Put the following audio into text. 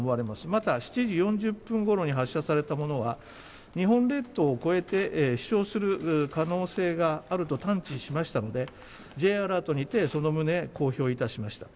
また７時４０分ごろに発射されたものは日本列島を越えて飛翔する可能性があると探知しましたのでＪアラートにてその旨、公表いたしました。